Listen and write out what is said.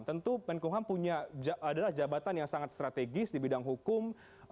tentu menkumham punya adalah jabatan yang sangat strategis di bidang hukum